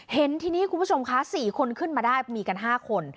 เห็นทีนี้คุณผู้ชมคะ๔คนขึ้นมาได้มีกัน๕คน